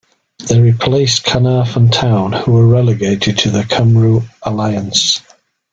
They replaced Caernarfon Town who were relegated to the Cymru Alliance.